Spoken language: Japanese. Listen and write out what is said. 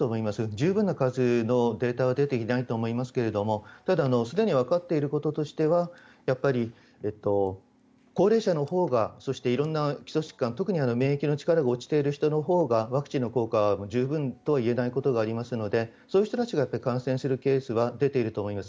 十分な数のデータは出ていないと思いますけれどもただ、すでにわかっていることとしてはやっぱり高齢者のほうがそして色んな基礎疾患特に免疫の力が落ちている人のほうがワクチンの効果は十分とは言えないことがありますのでそういう人たちが感染するケースは出ていると思います。